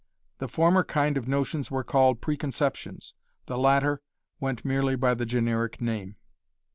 The former kind of notions were called preconceptions; the latter went merely by the generic name.